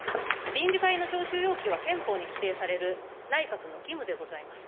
臨時会の召集要求は、憲法に規定される内閣の義務でございます。